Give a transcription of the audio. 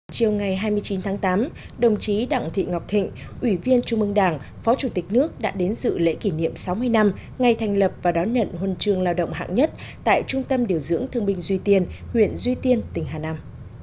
chiều ngày hai mươi chín tháng tám đồng chí đặng thị ngọc thịnh ủy viên trung mương đảng phó chủ tịch nước đã đến dự lễ kỷ niệm sáu mươi năm ngày thành lập và đón nhận huân trường lao động hạng nhất tại trung tâm điều dưỡng thương binh duy tiên huyện duy tiên tỉnh hà nam